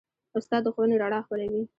استاد د ښوونې رڼا خپروي.